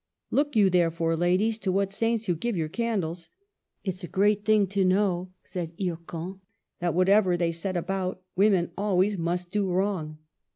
" Look you, therefore, ladies, to what saints you give your candles." ■" 'T is a great thing to know," said Hircan, "that, whatever they set about, women always must do wrong."